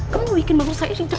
kamu bikin baru saya rintik